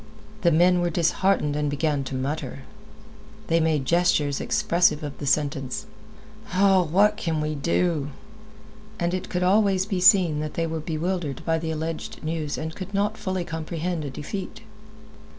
The men were disheartened and began to mutter. They made gestures expressive of the sentence: "Ah, what more can we do?" And it could always be seen that they were bewildered by the alleged news and could not fully comprehend a defeat.